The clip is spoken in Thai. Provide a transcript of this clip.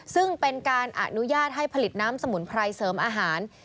ซึ่งเป็นการอนุญาตให้ผลิตน้ำสมุนไพรเสริมอาหาร